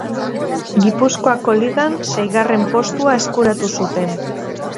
Gipuzkoako Ligan seigarren postua eskuratu zuten.